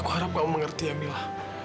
aku harap kamu mengerti ya mila